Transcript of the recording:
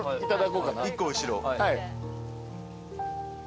１個後ろ。